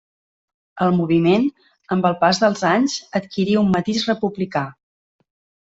El moviment, amb el pas dels anys, adquirí un matís republicà.